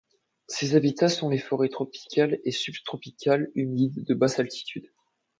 Ses habitats sont les forêts tropicales et subtropicales humides de basses altitudes.